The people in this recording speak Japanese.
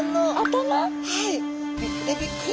はい。